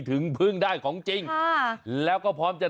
ถามคุณแชดนะกลัวไหมค่ะ